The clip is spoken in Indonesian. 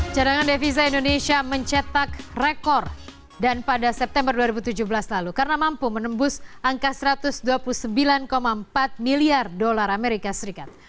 cadangan devisa indonesia mencetak rekor dan pada september dua ribu tujuh belas lalu karena mampu menembus angka satu ratus dua puluh sembilan empat miliar dolar amerika serikat